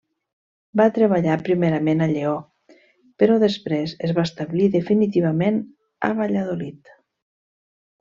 Va treballar primerament a Lleó, però després es va establir definitivament a Valladolid.